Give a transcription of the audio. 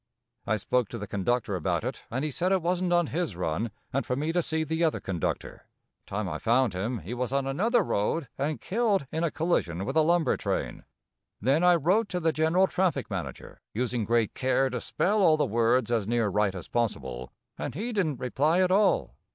I spoke to the conductor about it and he said it wasn't on his run and for me to see the other conductor. Time I found him he was on another road and killed in a collision with a lumber train. Then I wrote to the general traffic manager, using great care to spell all the words as near right as possible, and he didn't reply at all.